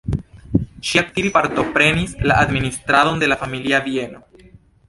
Ŝi aktive partoprenis la administradon de la familia bieno.